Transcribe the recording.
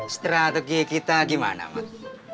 strategi kita gimana mak